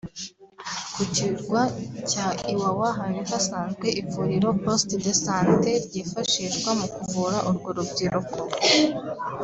Ku kirwa cya Iwawa hari hasanzwe ivuriro (poste de santé) ryifashishwa mu kuvura urwo rubyiruko